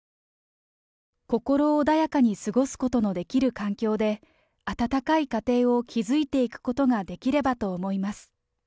心穏やかに過ごすことのできる環境で、温かい家庭を築いていくことができればと思います。